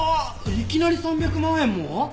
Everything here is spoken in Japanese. いきなり３００万円も？